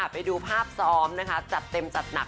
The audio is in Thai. ไปดูภาพซ้อมนะคะจัดเต็มจัดหนัก